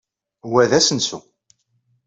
Wa d asensu.